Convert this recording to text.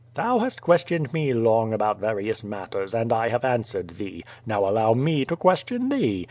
"Thou hast questioned me long about various matters, and I have answered thee. Now allow me to question thee.